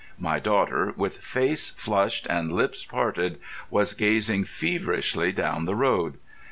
My daughter, with face flushed and lips parted, was gazing feverishly down the road.